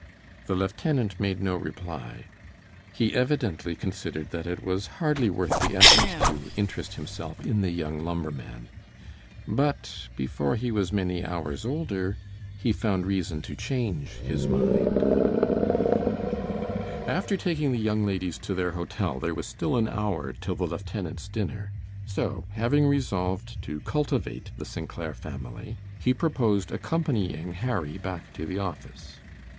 The lieutenant made no reply. He evidently considered that it was hardly worth the effort to interest himself in the young lumberman, but before he was many hours older he found reason to change his mind. After taking the young ladies to their hotel there was still an hour till the lieutenant's dinner, so, having resolved to cultivate the St. Clair family, he proposed accompanying Harry back to the office.